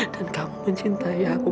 dan kamu mencintai aku